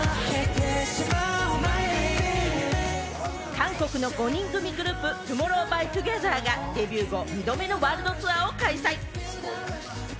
韓国の５人組グループ・ＴＯＭＯＲＲＯＷＸＴＯＧＥＴＨＥＲがデビュー後、２度目のワールドツアーを開催。